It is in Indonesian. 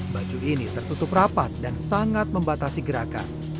baju ini tertutup rapat dan sangat membatasi gerakan